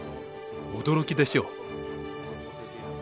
驚きでしょう？